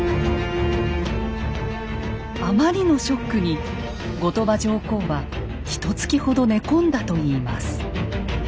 あまりのショックに後鳥羽上皇はひとつきほど寝込んだといいます。